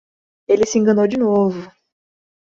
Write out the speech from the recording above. Ele se enganou de novo